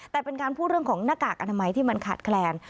แต่เป็นการพูดเรื่องของหน้ากากอนามัยที่มันขาดแคลน